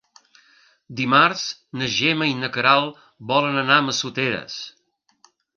Dimarts na Gemma i na Queralt volen anar a Massoteres.